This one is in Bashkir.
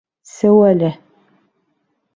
Сеү әле!